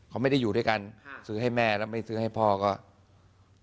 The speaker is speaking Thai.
เขาไม่ได้อยู่ด้วยกันซื้อให้แม่แล้วไม่ซื้อให้พ่อก็